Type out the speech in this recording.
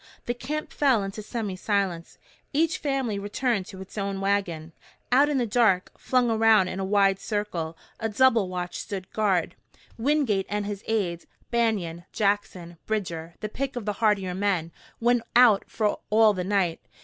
The camp fell into semi silence. Each family returned to its own wagon. Out in the dark, flung around in a wide circle, a double watch stood guard. Wingate and his aids, Banion, Jackson, Bridger, the pick of the hardier men, went out for all the night.